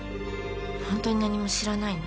本当に何も知らないの？